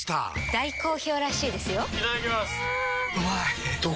大好評らしいですよんうまい！